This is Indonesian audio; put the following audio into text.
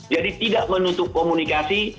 jadi tidak menutup komunikasi